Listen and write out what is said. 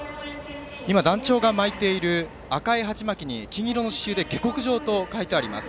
団長が巻く赤い鉢巻きに金色の刺しゅうで下克上と書いてあります。